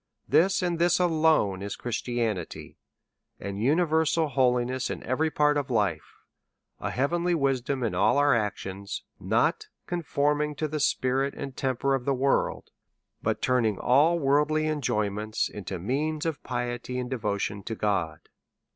This, and this alone, is Christian ity, an universal holiness in every part of life, a hea venly wisdom in all our actions, not conforming to the spirit and temper of the world, but turning all worldly enjoyments into means of piety and devotion to God.